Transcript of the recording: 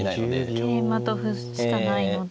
桂馬と歩しかないので。